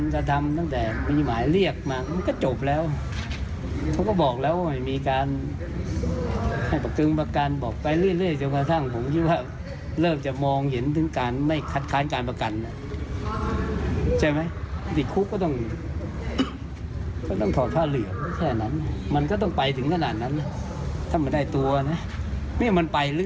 ผมนึกว่าไปสร้างปมถูกไหม